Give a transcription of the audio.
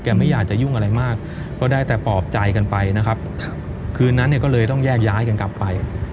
ไม่อยากจะยุ่งอะไรมากก็ได้แต่ปลอบใจกันไปนะครับคืนนั้นเนี่ยก็เลยต้องแยกย้ายกันกลับไป